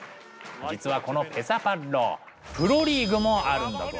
実はこのペサパッロプロリーグもあるんだぞ。